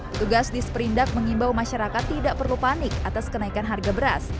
petugas disperindak mengimbau masyarakat tidak perlu panik atas kenaikan harga beras